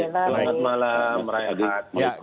selamat malam raya had